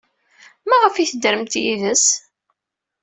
Maɣef ay teddremt yid-s?